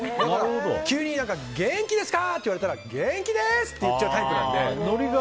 急に元気ですかー？って言われたら元気でーす！って言っちゃうタイプなので。